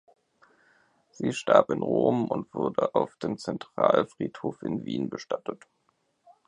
Sie starb in Rom und wurde auf dem Zentralfriedhof in Wien bestattet.